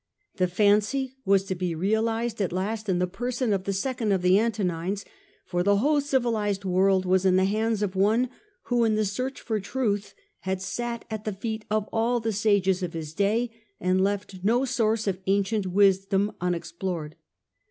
The fancy was to be realised at Ufe of M. last in the person of the second of the Anto Aurelius. nines, for the whole civilized world was in the hands of one who in the search for truth had sat at the feet of all the sages of his day, and left no source of an cient wisdom unexplored.